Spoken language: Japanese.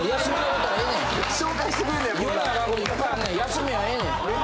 休みはええねん。